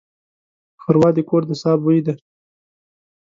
ښوروا د کور د ساه بوی دی.